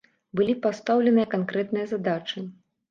Былі пастаўленыя канкрэтныя задачы.